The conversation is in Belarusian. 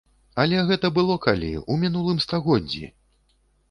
Але гэта было калі, у мінулым стагоддзі!